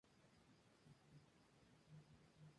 La hembra es más rojiza en apariencia.